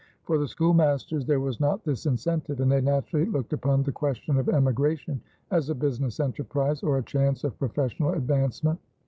For the schoolmasters there was not this incentive, and they naturally looked upon the question of emigration as a business enterprise or a chance of professional advancement.